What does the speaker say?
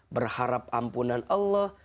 berharap ampunan allah